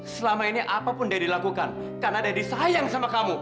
selama ini apapun daddy lakukan karena daddy sayang sama kamu